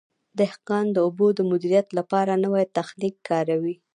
دهقان د اوبو د مدیریت لپاره نوی تخنیک کاروي.